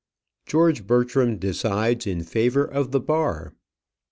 GEORGE BERTRAM DECIDES IN FAVOUR OF THE BAR.